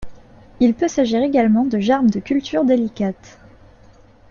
Il peut s'agir également de germes de cultures délicates.